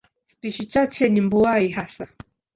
Spishi chache ni mbuai hasa.